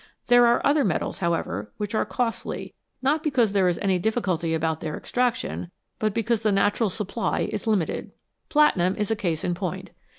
There are other metals, however, which are costly, not because there is any difficulty about their extraction, but because the natural supply is limited. Platinum is a case in point.